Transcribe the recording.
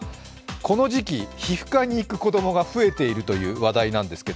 この時期、皮膚科に行く子供が増えているという話題なんですが。